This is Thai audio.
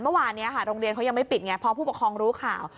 เมื่อวานนี้ค่ะโรงเรียนเขายังไม่ปิดไงพอผู้ปกครองรู้ข่าว